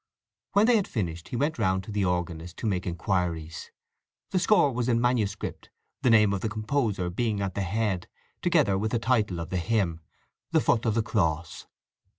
When they had finished he went round to the organist to make inquiries. The score was in manuscript, the name of the composer being at the head, together with the title of the hymn: "The Foot of the Cross."